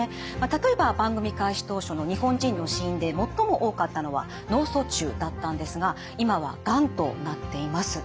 例えば番組開始当初の日本人の死因で最も多かったのは脳卒中だったんですが今はがんとなっています。